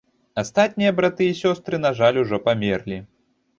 Астатнія браты і сёстры, на жаль, ужо памерлі.